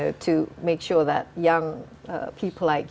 untuk memastikan orang muda seperti anda